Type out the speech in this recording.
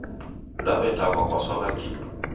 Dawetambwa kwasowa kii